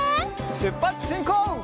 しゅっぱつしんこう！